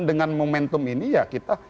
dengan momentum ini ya kita